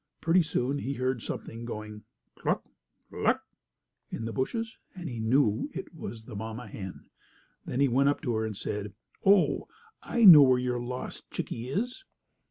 Pretty soon he heard something going "cluck cluck" in the bushes, and he knew that it was the mamma hen. Then he went up to her and said: "Oh, I know where your little lost chickie is."